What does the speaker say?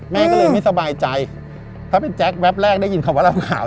แม่ก็เลยไม่สบายใจถ้าเป็นแจ๊คแวบแรกได้ยินคำว่าเราหาว